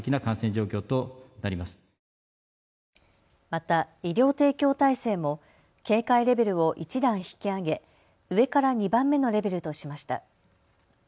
また医療提供体制も警戒レベルを１段引き上げ、上から２番目のレベルとしました。